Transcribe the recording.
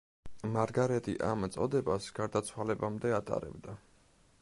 მარგარეტი ამ წოდებას გარდაცვალებამდე ატარებდა.